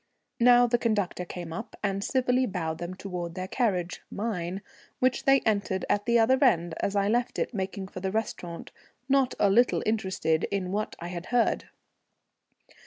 Now the conductor came up and civilly bowed them towards their carriage, mine, which they entered at the other end as I left it making for the restaurant, not a little interested in what I had heard.